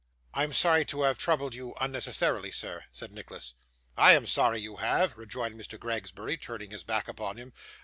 'I am sorry I have troubled you unnecessarily, sir,' said Nicholas. 'I am sorry you have,' rejoined Mr. Gregsbury, turning his back upon him.